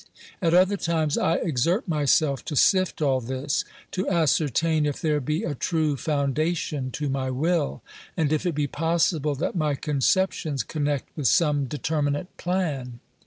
At other times I exert myself to sift all this, to ascertain if there be a true founda tion to my will, and if it be possible that my conceptions connect with some determinate plan.